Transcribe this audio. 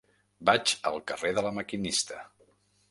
Vaig al carrer de La Maquinista.